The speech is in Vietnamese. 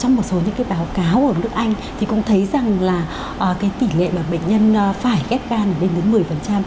trong một số những báo cáo ở nước anh thì cũng thấy rằng là tỷ lệ bệnh nhân phải ghép gan đến đến một mươi